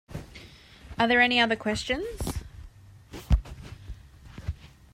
Are there any other questions?